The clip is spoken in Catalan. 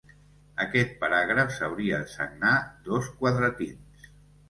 Aquest paràgraf s'hauria de sagnar dos quadratins.